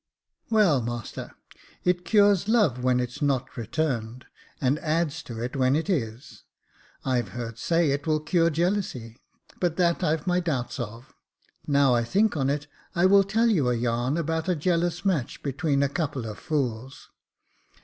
Well, master, it cures love when it's not returned, and adds to it when it is. I've heard say it will cure jealousy ; but that I've my doubts of. Now I think on it, I will tell you a yarn about a jealous match between a couple of fools.